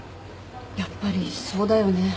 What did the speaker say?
やっぱりそうだよね。